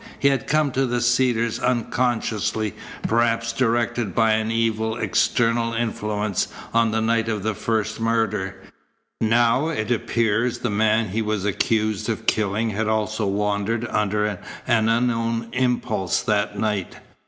He had come to the Cedars unconsciously, perhaps directed by an evil, external influence, on the night of the first murder. Now, it appeared, the man he was accused of killing had also wandered under an unknown impulse that night.